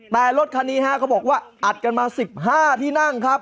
แต่รถคันนี้ฮะเขาบอกว่าอัดกันมา๑๕ที่นั่งครับ